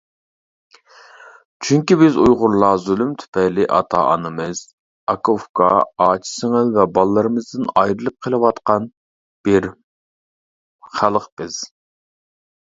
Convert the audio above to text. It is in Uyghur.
چۈنكى، بىز ئۇيغۇرلار، زۇلۇم تۈپەيلى ئاتا-ئانىمىز، ئاكا-ئۇكا، ئاچا-سىڭىل ۋە باللىرىمىزدىن ئايرىلىپ قېلىۋاتقان بىر خەلق بىز.